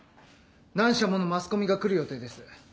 何社ものマスコミが来る予定です。